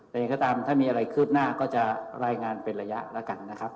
แต่ยังไงก็ตามถ้ามีอะไรคืบหน้าก็จะรายงานเป็นระยะแล้วกันนะครับ